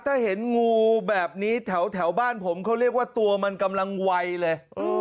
ถ้าเห็นงูแบบนี้แถวบ้านผมเขาเรียกว่าตัวมันกำลังไวเลย